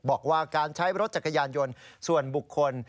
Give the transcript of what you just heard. บอกว่าการใช้รถจักรยานยนต์ส่วนบุคคล